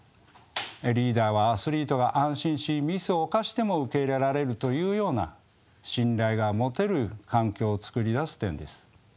リーダーはアスリートが安心しミスを犯しても受け入れられるというような信頼が持てる環境を作り出す点です。